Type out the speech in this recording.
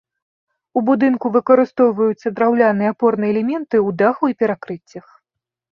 У будынку выкарыстоўваюцца драўляныя апорныя элементы ў даху і перакрыццях.